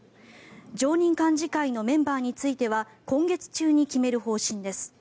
常任幹事会のメンバーについては今月中に決める方針です。